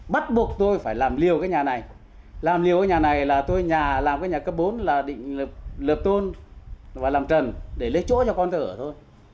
bắt buộc tôi phải làm liều cái nhà này làm liều cái nhà này là tôi nhà làm cái nhà cấp bốn là định lợp tôn và làm trần để lấy chỗ cho con thở thôi